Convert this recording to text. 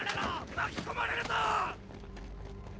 巻き込まれるぞ！！